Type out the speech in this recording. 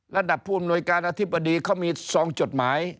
ระดับพูดมนวยการอธิบดีเค้ามี๒จดหมาย